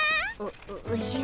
おおじゃ。